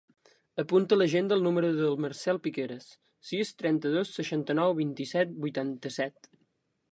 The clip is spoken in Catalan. Apunta a l'agenda el número del Marcel Piqueras: sis, trenta-dos, seixanta-nou, vint-i-set, vuitanta-set.